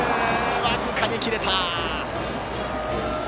僅かに切れた！